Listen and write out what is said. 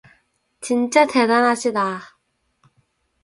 진짜 대단하시다!